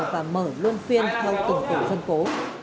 và mở luôn phiên theo tổng cụ dân phố